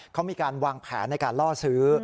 เขามีการวางแผนในการล่อซื้อ